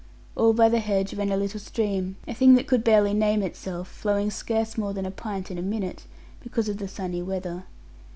All by the hedge ran a little stream, a thing that could barely name itself, flowing scarce more than a pint in a minute, because of the sunny weather.